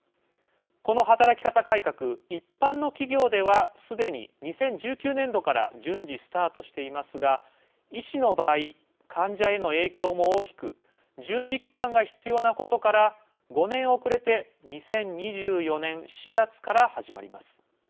この働き方改革、一般の企業ではすでに２０１９年度から順次、スタートしていますが医師の場合患者への影響も大きく準備期間が必要なことから５年遅れて２０２４年４月から始まります。